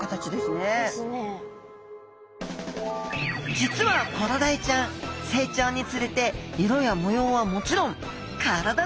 実はコロダイちゃん成長につれて色や模様はもちろん体の形まで変える